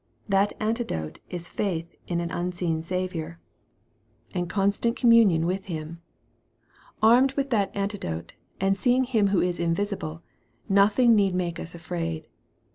That antidote is faith in an unseen Saviour, MARK, CHAP. VII. 133 and constant communion with Him. Armed with that antidote, and seeing Him who is invisible, nothing need make us afraid.